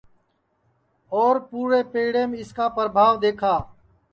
اور پُورے پیڑیم اِس کا پربھاو دؔیکھا